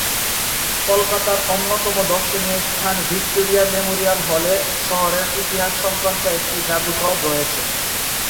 কলকাতার অন্যতম দর্শনীয় স্থান ভিক্টোরিয়া মেমোরিয়াল হলে শহরের ইতিহাস-সংক্রান্ত একটি জাদুঘর রয়েছে।